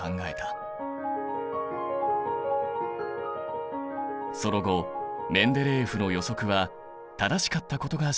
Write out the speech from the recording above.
その後メンデレーエフの予測は正しかったことが証明される。